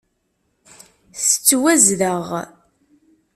Tettwazdeɣ.